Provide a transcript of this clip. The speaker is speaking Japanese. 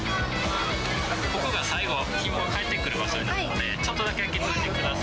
ここが最後、ひも、かえってくる場所になるので、ちょっとだけ開けておきます。